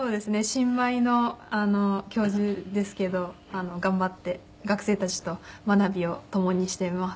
新米の教授ですけど頑張って学生たちと学びを共にしています。